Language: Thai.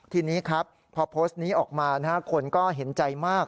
ทีนี้ครับพอโพสต์นี้ออกมาคนก็เห็นใจมาก